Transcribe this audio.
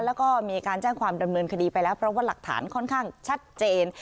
แล้วก็มีการแจ้งความดำเนินคดีไปแล้วเพราะว่าหลักฐานค่อนข้างชัดเจน